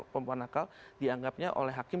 perempuan nakal dianggapnya oleh hakim